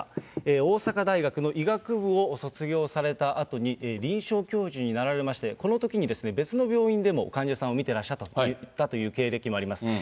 大阪大学の医学部を卒業されたあとに、臨床教授になられまして、このときに、別の病院でも患者さんを診てらっしゃったという経歴もあります。